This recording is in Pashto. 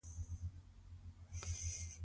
غږ کښته، لوړ، نرم یا کلک وي.